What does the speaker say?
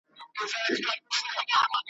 ـ نو په تا باندې څوک پام کوي زويه؟